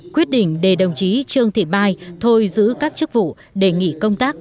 quyết định để đồng chí trương thị mai thôi giữ các chức vụ đề nghị công tác